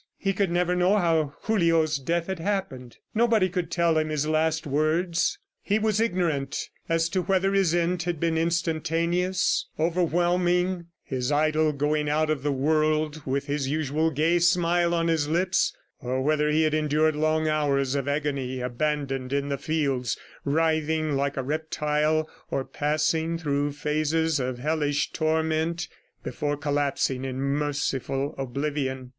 ... He could never know how Julio's death had happened. Nobody could tell him his last words. He was ignorant as to whether his end had been instantaneous, overwhelming his idol going out of the world with his usual gay smile on his lips, or whether he had endured long hours of agony abandoned in the field, writhing like a reptile or passing through phases of hellish torment before collapsing in merciful oblivion.